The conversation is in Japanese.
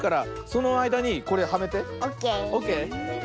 オッケー？